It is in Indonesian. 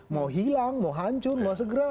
mau hilang mau hancur mau segera